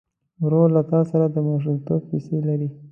ورور له تا سره د ماشومتوب کیسې لري.